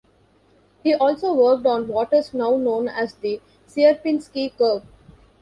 He also worked on what is now known as the Sierpinski curve.